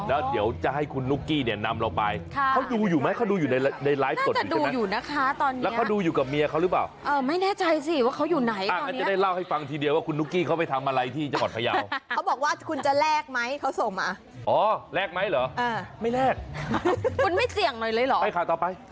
แล้วเดี๋ยวจะให้คุณนุกกี้เนี่ยนำเราไปค่ะ